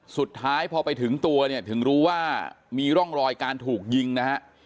สุดท้ายพอไปถึงตัวเนี่ยถึงรู้ว่ามีร่องรอยการถูกยิงนะฮะ